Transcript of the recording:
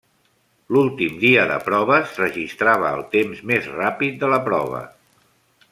L'últim dia de proves registrava el temps més ràpid de la prova.